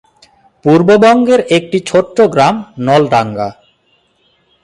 পূর্ববঙ্গের একটি ছোট্ট গ্রাম নলডাঙ্গা।